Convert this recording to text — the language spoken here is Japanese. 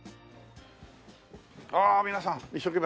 ああ皆さん一生懸命。